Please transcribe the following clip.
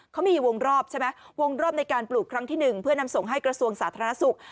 เขามีวงรอบใช่ไหมวงรอบในการปลูกครั้งที่หนึ่งเพื่อนำส่งให้กระทรวงสาธารณสุข